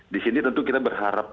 di sini tentu kita berharap